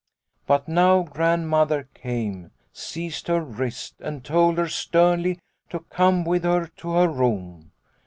" But now Grandmother came, seized her wrist, and told her sternly to come with her to her room.